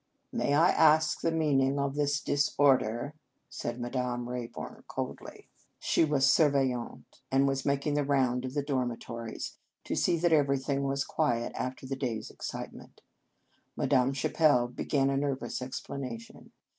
" May I ask the meaning of this disorder!" said Madame Rayburn coldly. She was surveillante, and was making the round of the dormitories, to see that everything was quiet after the day s excitement. Madame Cha pelle began a nervous explanation.